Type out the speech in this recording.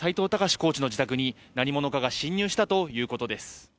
コーチの自宅に何者かが侵入したということです。